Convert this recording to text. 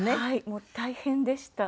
もう大変でした。